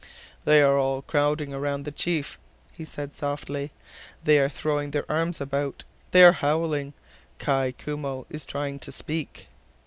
"They are all crowding round the chief," said he softly. "They are throwing their arms about. ... They are howling. .... Kai Koumou is trying to speak."